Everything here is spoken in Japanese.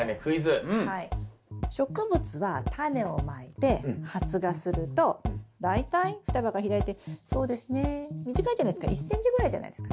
植物はタネをまいて発芽すると大体双葉が開いてそうですね短いじゃないですか１ｃｍぐらいじゃないですか。